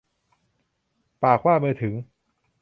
ปากว่ามือถึง